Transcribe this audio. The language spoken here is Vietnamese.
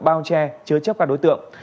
bao che chớ chấp các đối tượng